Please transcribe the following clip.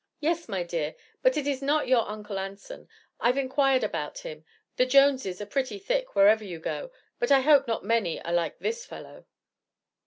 "Yes, my dear; but it is not your Uncle Anson. I've inquired about him. The Joneses are pretty thick, wherever you go; but I hope not many are like this fellow."